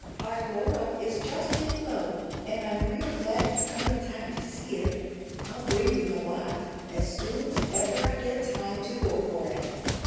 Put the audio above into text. "Our laurel is jest in blow, and I'm real glad you come in time to see it. I'll bring you a lot, as soon's ever I get time to go for it."